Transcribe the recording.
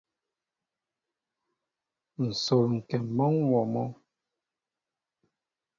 Nsol ŋkém mɔnwóó mɔ.